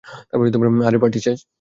আরে, পার্টি শেষ?